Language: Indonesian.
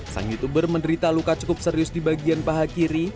sang youtuber menderita luka cukup serius di bagian paha kiri